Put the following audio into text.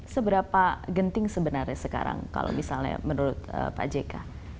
seberapa genting sebenarnya sekarang kalau misalnya menurut pak jk